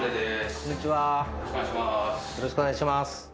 よろしくお願いします